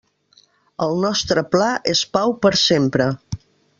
El nostre pla és pau per sempre.